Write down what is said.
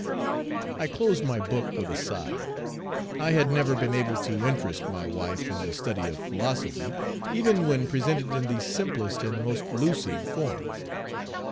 I closed my book with a sigh. I had never been able to interest my wife in the study of philosophy, even when presented in the simplest and most lucid form.